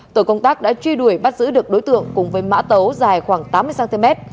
tổ công tác đã truy đuổi bắt giữ được đối tượng cùng với mã tấu dài khoảng tám mươi cm